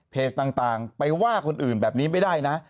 ต่างไปว่าคนอื่นแบบนี้ไม่ได้นะ